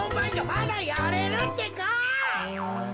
まだやれるってか。